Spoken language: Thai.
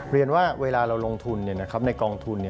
เรียนว่าเวลาเราลงทุนในกองทุน